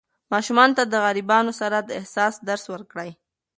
ماشومانو ته د غریبانو سره د احسان درس ورکړئ.